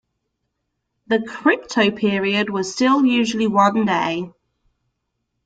The cryptoperiod was still usually one day.